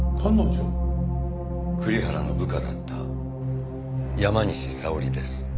栗原の部下だった山西沙織です。